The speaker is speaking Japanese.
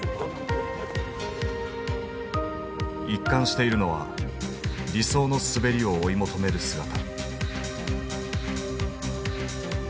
一貫しているのは理想の滑りを追い求める姿。